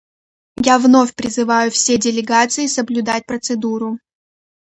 Я вновь призываю все делегации соблюдать процедуру.